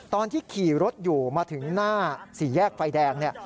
ตอนที่ขี่รถอยู่มาถึงหน้าสี่แยกไฟแดงเนี่ย